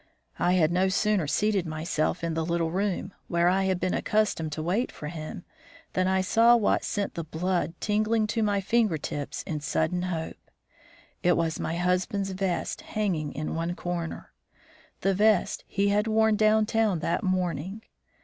I had no sooner seated myself in the little room, where I had been accustomed to wait for him, than I saw what sent the blood tingling to my finger tips in sudden hope. It was my husband's vest hanging in one corner, the vest he had worn down town that morning.